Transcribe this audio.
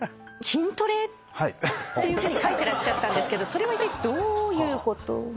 筋トレっていうふうに書いてらっしゃったんですけどそれはいったいどういうこと？